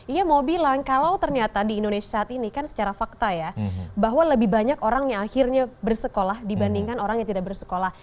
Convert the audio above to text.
ia mau bilang kalau ternyata di indonesia saat ini kan secara fakta ya bahwa lebih banyak orang yang akhirnya bersekolah dibandingkan orang yang tidak bersekolah